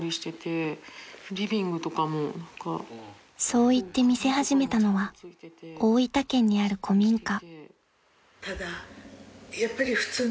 ［そう言って見せ始めたのは大分県にある古民家］